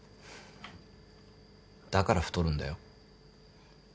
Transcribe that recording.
だから太るんだよ。